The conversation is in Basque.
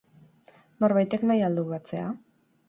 Norbaitek nahi al du batzea?